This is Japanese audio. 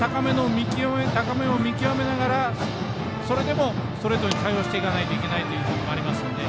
高めを見極めながらそれでもストレートで対応していかなければならないということもありますので。